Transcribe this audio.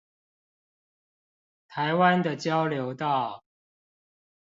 台灣的交流道